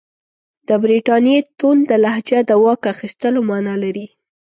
د برټانیې تونده لهجه د واک اخیستلو معنی لري.